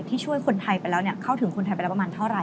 ช่วยคนไทยไปแล้วเข้าถึงคนไทยไปแล้วประมาณเท่าไห